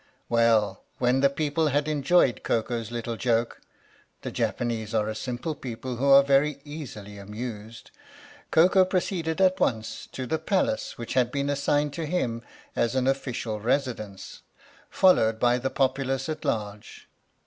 Well, when the people had enjoyed Koko's little joke (the Japanese are a simple people who are very easily amused), Koko proceeded at once to the palace w r hich had been assigned to him as an Official Resi dence, followed by the populace at large.